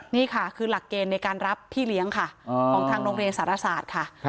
นี่ค่ะคือหลักเกณฑ์ในการรับพี่เลี้ยงค่ะของทางโรงเรียนสารศาสตร์ค่ะ